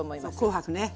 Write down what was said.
紅白ね。